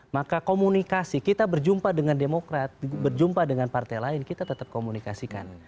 maka komunikasi kita berjumpa dengan demokrat berjumpa dengan partai lain kita tetap komunikasikan